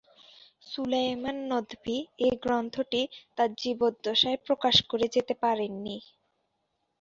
সুলাইমান নদভী এ গ্রন্থটি তার জীবদ্দশায় প্রকাশ করে যেতে পারেননি।